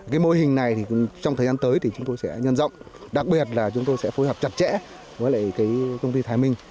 cái mô hình này thì trong thời gian tới thì chúng tôi sẽ nhân rộng đặc biệt là chúng tôi sẽ phối hợp chặt chẽ với cái công ty thái minh